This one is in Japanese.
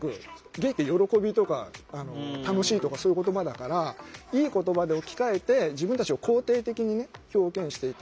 ゲイって喜びとか楽しいとかそういう言葉だからいい言葉で置き換えて自分たちを肯定的にね表現していった。